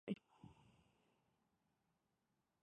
Es el tercer puente en la ciudad sobre el río Ume.